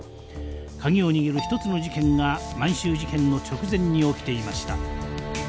鍵を握る一つの事件が満州事変の直前に起きていました。